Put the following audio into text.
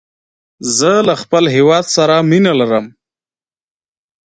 زه له خپل هېواد سره مینه لرم.